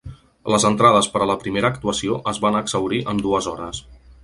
Les entrades per a la primera actuació es van exhaurir en dues hores.